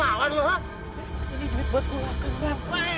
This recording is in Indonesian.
ini duit buat gua makan bang